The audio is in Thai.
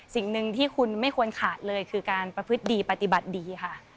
สิ่งหนึ่งที่คุณไม่ควรขาดเลยคือการประพฤติดีปฏิบัติดีค่ะ